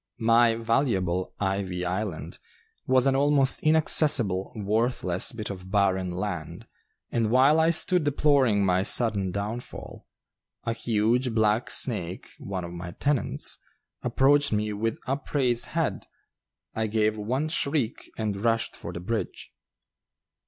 My valuable "Ivy Island" was an almost inaccessible, worthless bit of barren land, and while I stood deploring my sudden downfall, a huge black snake (one of my tenants) approached me with upraised head. I gave one shriek and rushed for the bridge.